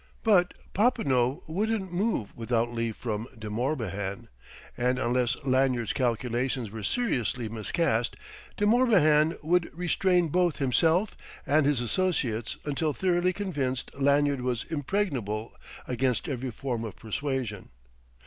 But Popinot wouldn't move without leave from De Morbihan, and unless Lanyard's calculations were seriously miscast, De Morbihan would restrain both himself and his associates until thoroughly convinced Lanyard was impregnable against every form of persuasion.